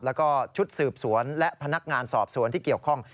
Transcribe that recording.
แล้วก็ชุดสืบสวนและพนักงานสอบสวนที่เกี่ยวข้อง